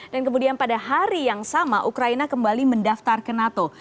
dan kemudian pada hari yang sama ukraina kembali mendaftar ke nato